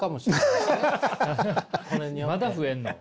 まだ増えんの？